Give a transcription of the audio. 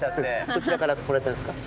どちらから来られたんですか？